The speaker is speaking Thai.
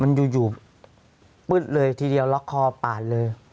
มันอยู่ปึ๊ดเลยทีเดียวล็อกคอปาดเลย